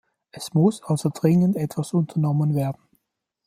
Es muss also dringend etwas unternommen werden.